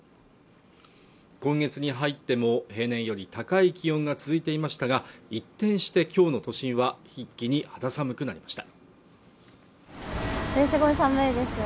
今月に入っても平年より高い気温が続いていましたが一転して今日の都心は一気に肌寒くなりました